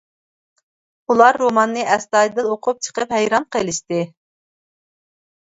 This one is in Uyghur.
ئۇلار روماننى ئەستايىدىل ئوقۇپ چىقىپ ھەيران قېلىشتى.